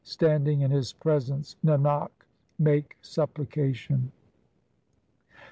Standing in His presence, Nanak, make supplication.